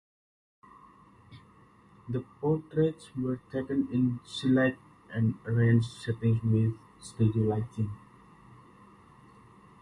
The portraits were taken in selected and arranged settings with studio lighting.